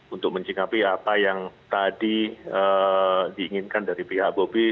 untuk menjikapi apa yang tadi diinginkan dari pihak bobi